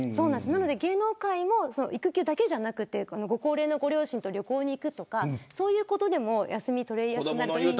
芸能界も育休だけじゃなくてご高齢の両親と旅行に行くとかそういうことでも休みを取りやすくなるといいなと。